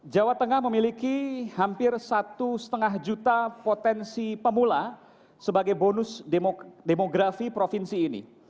jawa tengah memiliki hampir satu lima juta potensi pemula sebagai bonus demografi provinsi ini